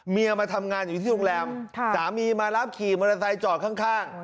มาทำงานอยู่ที่โรงแรมสามีมารับขี่มอเตอร์ไซค์จอดข้าง